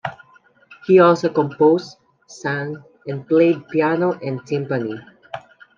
He also composed, sang, and played piano and timpani.